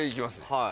はい。